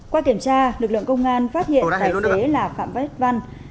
qua kiểm tra lực lượng công an tỉnh đắk lắc phát hiện bắt giữ